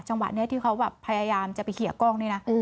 จังหวะนี้ที่เขาแบบพยายามจะไปเคลียร์กล้องนี่นะ